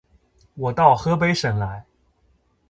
我到河北省来